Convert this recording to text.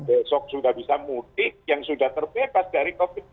besok sudah bisa mudik yang sudah terbebas dari covid sembilan belas